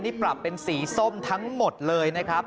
นี่ปรับเป็นสีส้มทั้งหมดเลยนะครับ